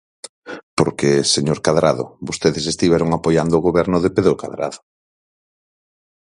Porque, señor Cadrado, vostedes estiveron apoiando o goberno de Pedro Cadrado.